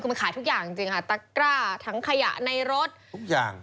คือมันขายทุกอย่างจริงค่ะตะกร้าทั้งขยะในรถทุกอย่าง